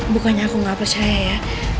bukannya aku nggak percaya ya